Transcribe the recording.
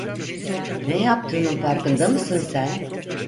Ne yaptığının farkında mısın sen?